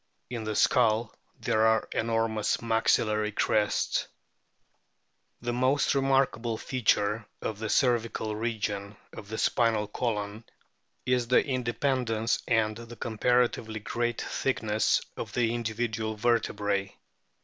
In the skull there are enormous maxillary crests. The most remarkable feature of the cervical region of the spinal column is the independence and the comparatively great thickness of the individual vertebrae.